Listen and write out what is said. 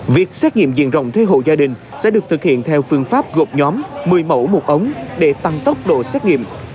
việc xét nghiệm diện rộng thuê hộ gia đình sẽ được thực hiện theo phương pháp gộp nhóm một mươi mẫu một ống để tăng tốc độ xét nghiệm